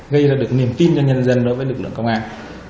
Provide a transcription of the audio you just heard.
gây ra được niềm tin cho nhân dân đối với lực lượng công an